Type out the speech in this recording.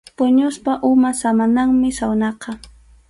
Puñuspa umap samananmi sawnaqa.